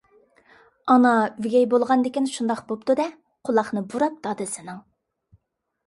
ئانا ئۆگەي بولغاندىكىن شۇنداق بوپتۇ-دە، قۇلاقنى بۇراپ دادىسىنىڭ...